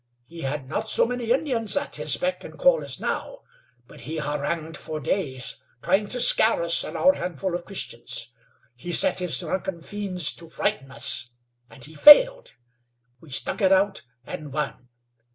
He had not so many Indians at his beck and call as now; but he harangued for days, trying to scare us and our handful of Christians. He set his drunken fiends to frighten us, and he failed. We stuck it out and won.